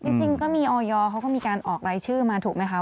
จริงก็มีออยเขาก็มีการออกรายชื่อมาถูกไหมคะ